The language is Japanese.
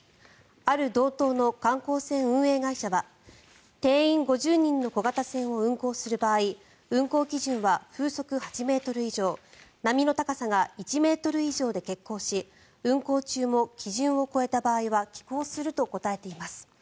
ある道東の観光船運営会社は定員５０人の小型船を運航する場合運航基準は風速８ｍ以上波の高さが１ｍ以上で欠航し運航中も基準を超えた場合は帰航すると答えています。